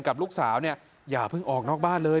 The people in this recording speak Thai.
กับลูกสาวเนี่ยอย่าเพิ่งออกนอกบ้านเลย